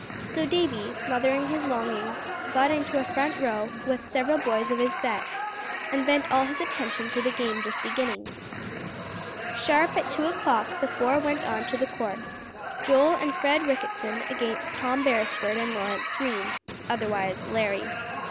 So Davie, smothering his longing, got into a front row with several boys of his set, and bent all his attention to the game just beginning. Sharp at two o'clock the four went on to the court Joel and Fred Ricketson against Tom Beresford and Lawrence Greene, otherwise "Larry."